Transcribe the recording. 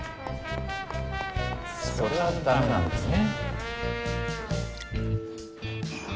それは駄目なんですね。